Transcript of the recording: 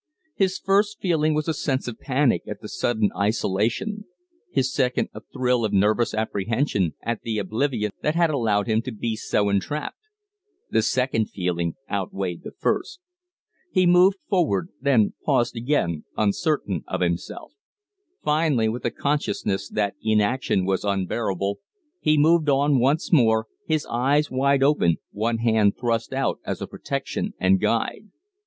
His first feeling was a sense of panic at the sudden isolation, his second a thrill of nervous apprehension at the oblivion that had allowed him to be so entrapped. The second feeling outweighed the first. He moved forward, then paused again, uncertain of himself. Finally, with the consciousness that inaction was unbearable, he moved on once more, his eyes wide open, one hand thrust out as a protection and guide.